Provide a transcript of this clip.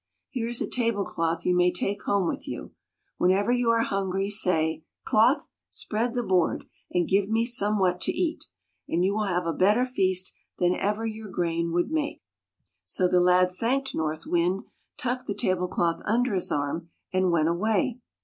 Here is a table cloth you may take home with you. Whenever you are hun gry, say, ' Cloth, spread the board, and give me somewhat to eat,' and you will have a better feast than ever your grain would make." So the lad thanked North Wind, tucked the table cloth under his arm, and went away.